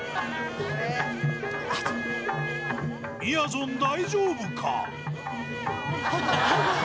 みやぞん大丈夫か？